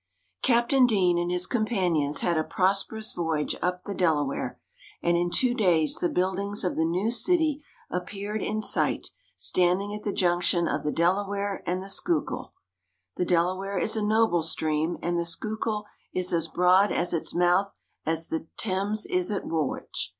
Captain Deane and his companions had a prosperous voyage up the Delaware, and in two days the buildings of the new city appeared in sight, standing at the junction of the Delaware and the Schuylkill. The Delaware is a noble stream, and the Schuylkill is as broad at its mouth as the Thames is at Woolwich.